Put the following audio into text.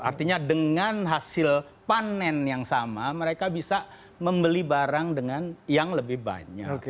artinya dengan hasil panen yang sama mereka bisa membeli barang dengan yang lebih banyak